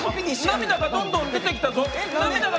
涙がどんどん出てきたぞ。